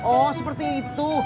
oh seperti itu